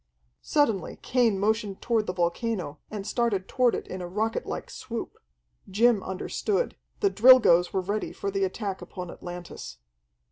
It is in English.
Suddenly Cain motioned toward the volcano, and started toward it in a rocketlike swoop. Jim understood. The Drilgoes were ready for the attack upon Atlantis.